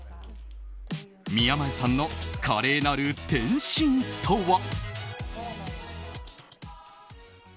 宮前さんの華麗なる転身とは？